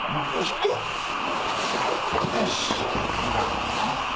よし！